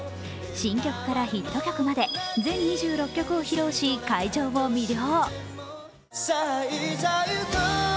新曲からヒット曲まで全２６曲を披露し会場を魅了。